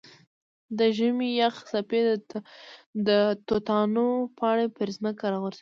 د ژمي یخې څپې د توتانو پاڼې پر ځمکه راغورځوي.